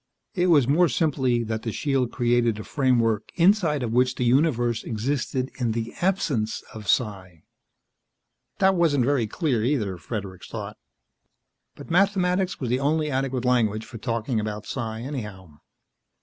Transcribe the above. It was, more simply, that the shield created a framework inside of which the universe existed in the absence of psi. That wasn't very clear, either, Fredericks thought; but mathematics was the only adequate language for talking about psi, anyhow.